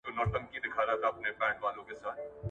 اوبه ورکړه،